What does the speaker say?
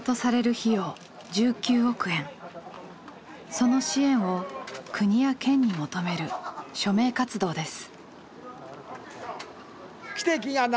その支援を国や県に求める署名活動です。